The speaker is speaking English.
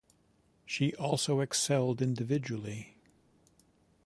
She also excelled individually.